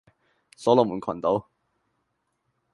所羅門群島